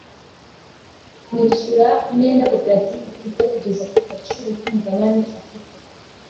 kwishyura imyenda koperative ifite kugeza ku gaciro k'umugabane afite